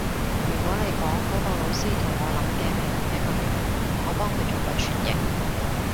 如果你講嗰個老師同我諗嘅係同一個人，我幫佢做過傳譯